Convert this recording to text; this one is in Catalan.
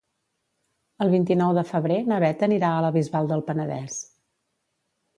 El vint-i-nou de febrer na Beth anirà a la Bisbal del Penedès.